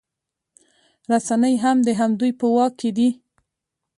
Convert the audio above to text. رسنۍ هم د همدوی په واک کې دي